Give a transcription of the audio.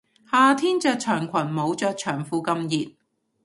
夏天着長裙冇着長褲咁熱